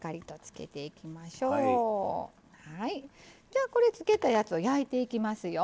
じゃあこれつけたやつを焼いていきますよ。